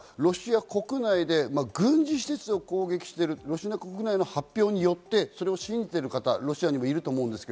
そのたてつけというのは、ロシア国内で軍事施設を攻撃している国内の発表によって信じている方、ロシアにもいると思います。